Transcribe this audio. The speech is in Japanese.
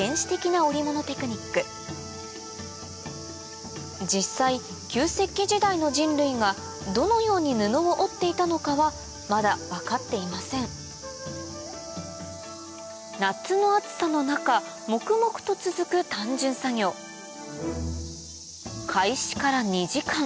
それを実際旧石器時代の人類がどのように布を織っていたのかはまだ分かっていません夏の暑さの中黙々と続く単純作業うわ